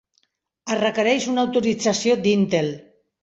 Es requereix una autorització d'Intel.